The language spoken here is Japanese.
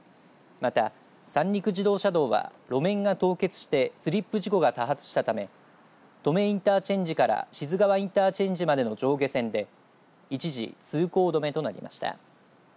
また、三陸自動車道は路面が凍結してスリップ事故が多発したため登米インターチェンジから志津川インターチェンジまでの上下線で一時通行止めとなりました。